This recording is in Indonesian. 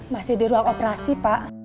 masih di ruang operasi pak